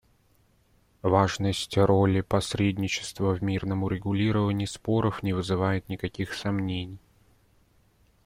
Важность роли посредничества в мирном урегулировании споров не вызывает никаких сомнений.